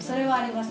はい。